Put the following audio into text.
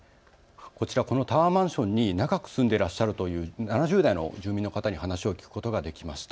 こちら、このタワーマンションに長く住んでいらっしゃるという７０代の住民の方に話を聞くことができました。